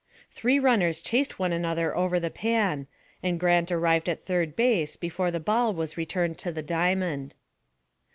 Three runners chased one another over the pan, and Grant arrived at third base before the ball was returned to the diamond.